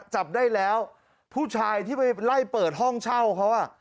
จับได้แล้วผู้ชายที่ไปไล่เปิดห้องเช่าเขาอ่ะ